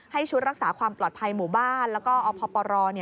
ชุดรักษาความปลอดภัยหมู่บ้านแล้วก็อพปร